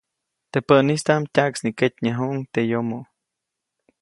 Teʼ päʼnistaʼm tyaʼksniketnyajuʼuŋ teʼ yomo.